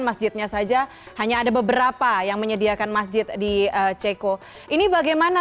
masjidnya saja hanya ada beberapa yang menyediakan masjid di ceko ini bagaimana